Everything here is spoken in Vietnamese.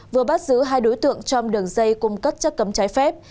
vừa bắt giữ hai đối tượng trong đường dây cung cấp chất cấm trái phép